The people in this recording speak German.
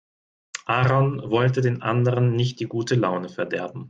Aaron wollte den anderen nicht die gute Laune verderben.